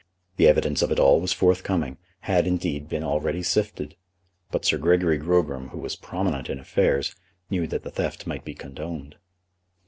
The evidence of it all was forthcoming, had, indeed, been already sifted. But Sir Gregory Grogram, who was prominent in affairs, knew that the theft might be condoned.